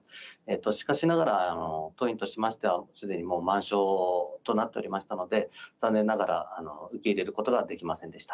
しかしながら、当院としましてはすでにもう満床となっておりましたので、残念ながら受け入れることができませんでした。